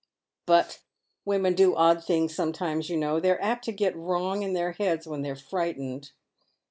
" But women do odd things sometimes, yon know. They're apt to get wrong in their heads when they're frightened."